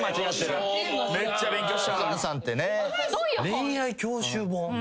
恋愛教習本？